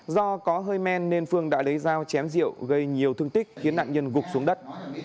do có hơi men nên phương đã lấy dao chém diệu gây nhiều thương tích khiến nạn nhân gục xuống đất